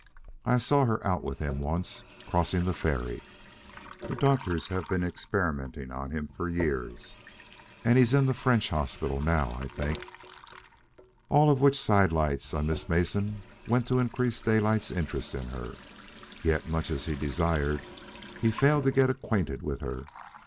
I saw her out with him once crossing the ferry. The doctors have been experimenting on him for years, and he's in the French Hospital now, I think." All of which side lights on Miss Mason went to increase Daylight's interest in her. Yet, much as he desired, he failed to get acquainted with her.